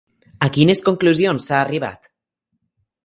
A quines conclusions s'ha arribat?